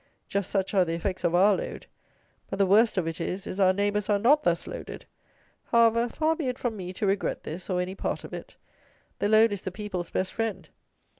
Just such are the effects of our load: but the worst of it is our neighbours are not thus loaded. However, far be it from me to regret this, or any part of it. The load is the people's best friend.